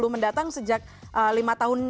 mendatang sejak lima tahun